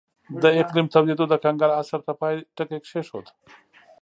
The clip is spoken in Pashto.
د اقلیم تودېدو د کنګل عصر ته پای ټکی کېښود.